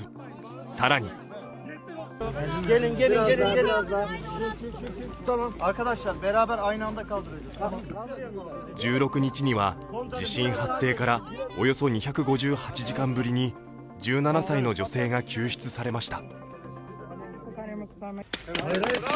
更に１６日には、地震発生からおよそ２５８時間ぶりに１７歳の女性が救出されました。